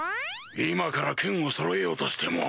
今から剣をそろえようとしても。